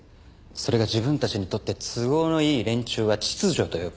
それが自分たちにとって都合のいい連中は秩序と呼ぶ。